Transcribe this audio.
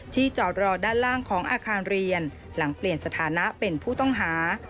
จอดรอด้านล่างของอาคารเรียนหลังเปลี่ยนสถานะเป็นผู้ต้องหา